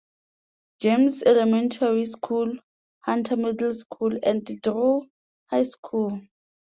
James Elementary School, Hunter Middle School, and Drew High School.